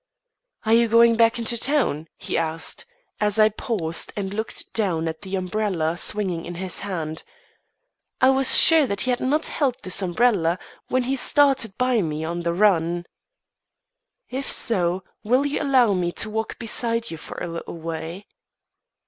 "Are you going back into town?" he asked, as I paused and looked down at the umbrella swinging in his hand. I was sure that he had not held this umbrella when he started by me on the run. "If so, will you allow me to walk beside you for a little way?"